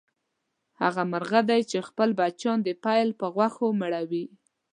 هغه مرغه دی چې خپل بچیان د پیل په غوښو مړوي.